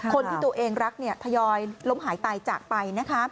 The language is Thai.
คนที่ตัวเองรักทยอยล้มหายตายจากไป